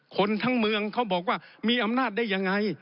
คนทั้งเมืองเขาบอกว่ามีอำนาจได้ยังไง